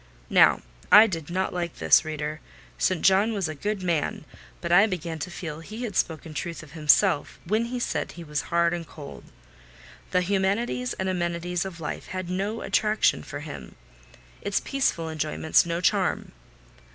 Now, I did not like this, reader. St. John was a good man; but I began to feel he had spoken truth of himself when he said he was hard and cold. The humanities and amenities of life had no attraction for him—its peaceful enjoyments no charm.